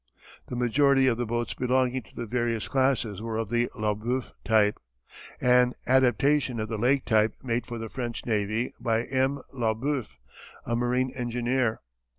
The majority of the boats belonging to the various classes were of the Laubeuf type, an adaptation of the Lake type made for the French navy by M. Laubeuf, a marine engineer.